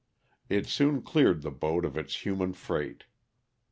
It soon cleared the boat of its human freight.